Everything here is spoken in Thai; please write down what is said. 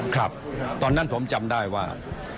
ครับตอนนั้นผมจำได้ว่า